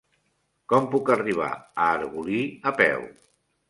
Com puc arribar a Arbolí a peu?